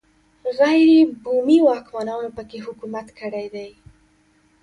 غیر بومي واکمنانو په کې حکومت کړی دی